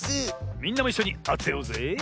みんなもいっしょにあてようぜえ。